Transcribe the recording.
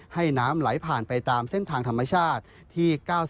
ให้น้ำไหลผ่านไปตามเส้นทางธรรมชาติที่๙๔